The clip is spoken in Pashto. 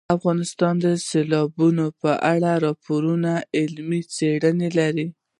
افغانستان د سیلابونو په اړه پوره علمي څېړنې لري.